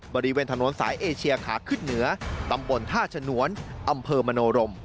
บริเวณถนนสายเอเชียขาขึ้นเหนือตำบลท่าฉนวนอำเภอมโนรม